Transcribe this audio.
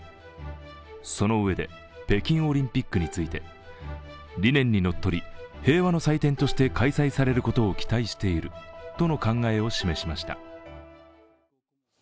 そのうえで、北京オリンピックについて、理念にのっとり平和の祭典として開催されることを期待しているとの考えを示しました。